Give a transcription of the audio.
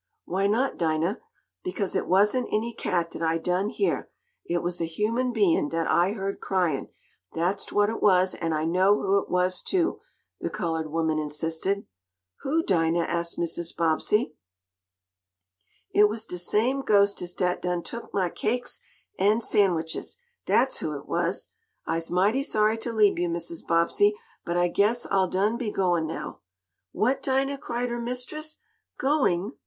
"Why not, Dinah?" "Because it wasn't any cat dat I done heah. It was a human bein' dat I heard cryin', dat's what it was, an' I know who it was, too," the colored woman insisted. "Who, Dinah?" asked Mrs. Bobbsey. "It was de same ghostest dat done took mah cakes an' sandwiches, dat's who it was. I'se mighty sorry t' leab yo', Mrs. Bobbsey, but I guess I'll done be goin' now." "What, Dinah!" cried her mistress. "Going?